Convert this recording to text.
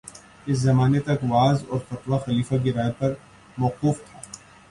اس زمانے تک وعظ اور فتویٰ خلیفہ کی رائے پر موقوف تھا